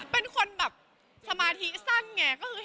เป็นคนสมาธิสั้นอีกไง